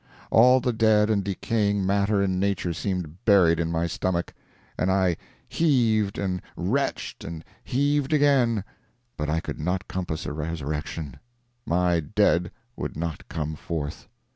All the dead and decaying matter in nature seemed buried in my stomach, and I "heaved, and retched, and heaved again," but I could not compass a resurrection—my dead would not come forth.